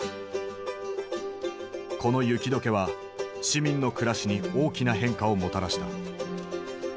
この雪解けは市民の暮らしに大きな変化をもたらした。